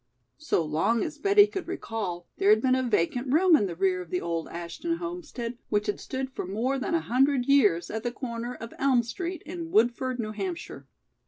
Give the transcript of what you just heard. So long as Betty could recall, there had been a vacant room in the rear of the old Ashton homestead, which had stood for more than a hundred years at the comer of Elm Street in Woodford, New Hampshire.